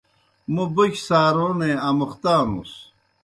موْں بوکیْ سارونے امُختانُس۔